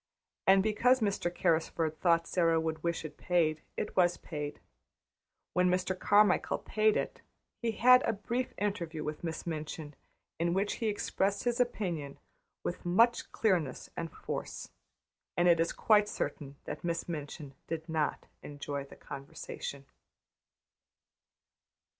And because Mr. Carrisford thought Sara would wish it paid, it was paid. When Mr. Carmichael paid it he had a brief interview with Miss Minchin in which he expressed his opinion with much clearness and force; and it is quite certain that Miss Minchin did not enjoy the conversation.